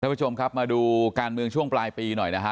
ผู้ชมครับมาดูการเมืองช่วงปลายปีหน่อยนะฮะ